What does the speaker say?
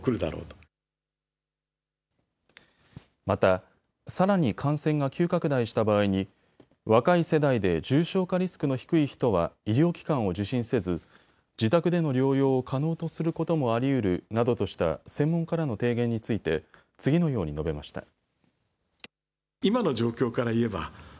また、さらに感染が急拡大した場合に若い世代で重症化リスクの低い人は医療機関を受診せず自宅での療養を可能とすることもありうるなどとした専門家らの提言について次のように述べました。